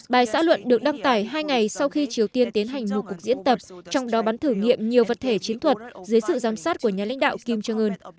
bài xã luận được đăng tải hai ngày sau khi triều tiên tiến hành một cuộc diễn tập trong đó bắn thử nghiệm nhiều vật thể chiến thuật dưới sự giám sát của nhà lãnh đạo kim jong un